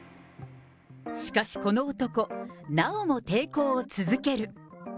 しかしこの男、なおも抵抗を続ける。